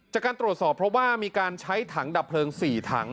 จากการตรวจสอบเพราะว่ามีการใช้ถังดับเพลิง๔ถัง